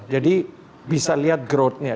jadi bisa lihat growth nya